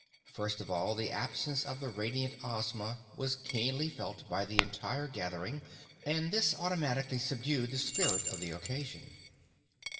First of all, the absence of the radiant Ozma was keenly felt by the entire gathering, and this automatically subdued the spirit of the occasion.